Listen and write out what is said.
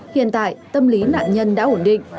hiện tại tâm lý nạn nhân đã ổn định